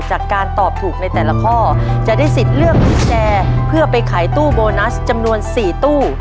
จากการตอบถูกในแต่ละข้อจะได้สิทธิ์เลือกกุญแจเพื่อไปขายตู้โบนัสจำนวน๔ตู้